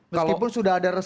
meskipun sudah ada resep